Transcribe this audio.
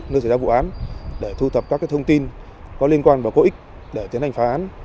nơi xảy ra vụ án để thu thập các thông tin có liên quan và có ích để tiến hành phá án